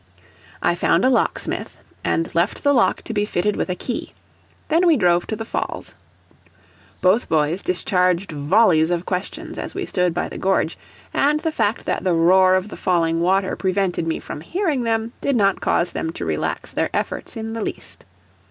I found a locksmith and left the lock to be fitted with a key; then we drove to the Falls. Both boys discharged volleys of questions as we stood by the gorge, and the fact that the roar of the falling water prevented me from hearing them did not cause them to relax their efforts in the least.